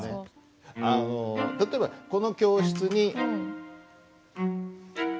あの例えばこの教室に。